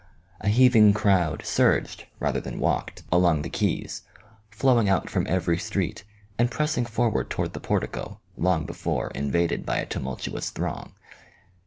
A heaving crowd surged, rather than walked, along the 8 OMEGA. quays, flowing out from every street and pressing forward toward the portico, long before invaded by a tumultuous throng.